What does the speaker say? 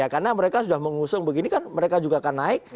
karena mereka sudah mengusung begini kan mereka juga akan naik